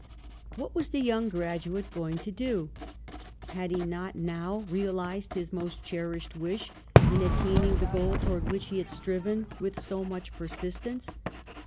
What was the young graduate goirig to do? Had he not now realised his most cherished wish in attaining the goal towards which he had striven with so much persistence?